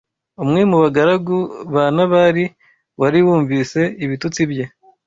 umwe mu bagaragu ba Nabali wari wumvise ibitutsi bye